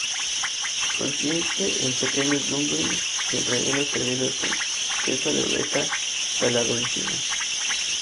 Consiste en pequeños "dumplings" sin relleno servidos con queso de oveja salado encima.